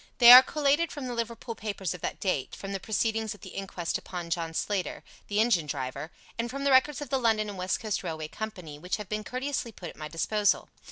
They are collated from the Liverpool papers of that date, from the proceedings at the inquest upon John Slater, the engine driver, and from the records of the London and West Coast Railway Company, which have been courteously put at my disposal.